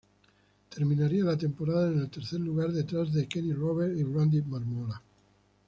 Terminaría la temporada en el tercer lugar detrás de Kenny Roberts y Randy Mamola.